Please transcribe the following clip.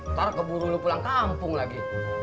ntar keburu lu pulang kampung lagi